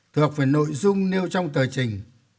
thuộc về nội dung nêu trong tờ trình